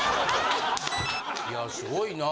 いやすごいなぁ。